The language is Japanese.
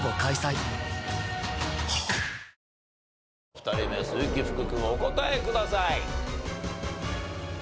２人目鈴木福君お答えください。